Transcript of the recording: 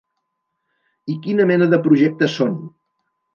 I quina mena de projectes són?